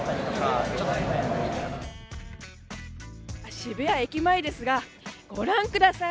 渋谷駅前ですが、ご覧ください